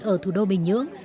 ở thủ đô bình nhưỡng